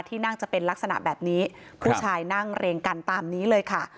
ที่นั่งจะเป็นลักษณะแบบนี้ผู้ชายนั่งเรียงกันตามนี้เลยค่ะ